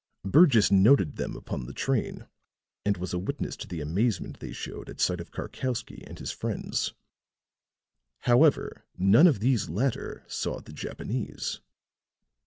Burgess noted them upon the train, and was a witness to the amazement they showed at sight of Karkowsky and his friends. "However, none of the latter saw the Japanese.